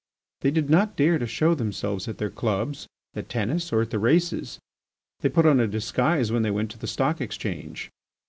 They did not dare to show themselves at their clubs, at tennis, or at the races; they put on a disguise when they went to the Stock Exchange.